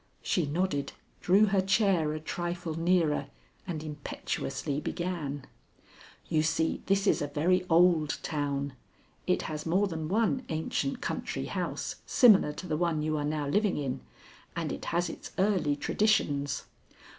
She nodded, drew her chair a trifle nearer, and impetuously began: "You see this is a very old town. It has more than one ancient country house similar to the one you are now living in, and it has its early traditions.